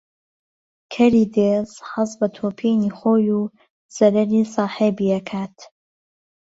کەری دێز حەز بە تۆپینی خۆی و زەرەری ساحێبی ئەکات